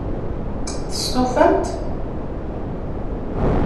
Testufamt?